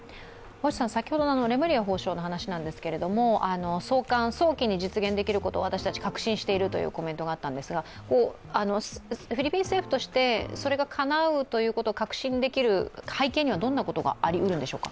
レムリヤ法相の話なんですけれども早期に送還できることを私たち確信しているというコメントがあったんですが、フィリピン政府としてそれがかなうことを確信できる背景にはどんなことがあるんでしょうか？